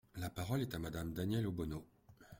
La parole est à Madame Danièle Obono.